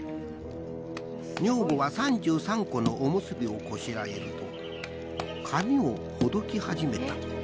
［女房は３３個のおむすびをこしらえると髪をほどき始めた］